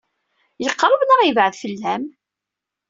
Yeqṛeb neɣ yebɛed fell-am?